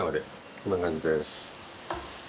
こんな感じです。